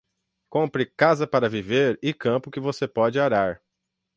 Compre casa para viver e campo que você pode arar.